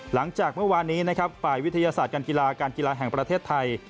หลังจากเมื่อวานนี้นะครับฝ่ายวิทยาศาสตร์การกีฬาการกีฬาแห่งประเทศไทย